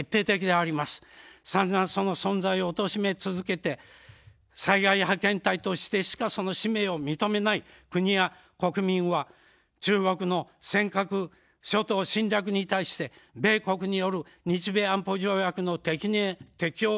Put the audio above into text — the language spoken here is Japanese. さんざんその存在をおとしめ続けて災害派遣隊としてしかその使命を認めない国や国民は中国の尖閣諸島侵略に対して、米国による日米安保条約の適用